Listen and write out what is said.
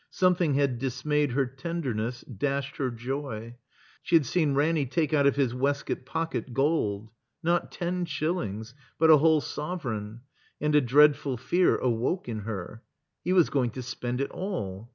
Something had dismayed her tenderness, dashed her joy. She had seen Ranny take out of his waistcoat pocket gold — not ten shillings, but a whole sovereign. And a dreadful fear awoke in her. He was going to spend it all.